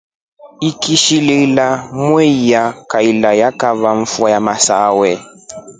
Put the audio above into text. Ikishilka mwei ya kaili yakava mvua ya masawe.